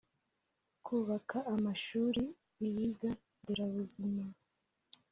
kubaka amashuri ibiga nderabuzima